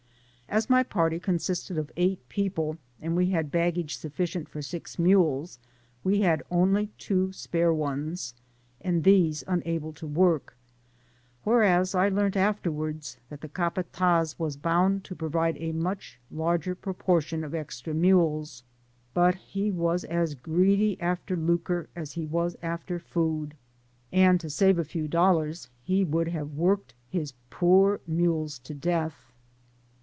As my party consisted of eight people, and as we had baggage sufficient for Digitized byGoogk ]^ PASSAGE ACROSS six mules, we had only two spare ones, and these unable to work ; whereas I learnt afterwards, that the capatfiz was bound to provide a much larger proportion of extra mules, but he was as greedy after lucre as he was after food, and to save a few dollars he would have worked his poor mules to death.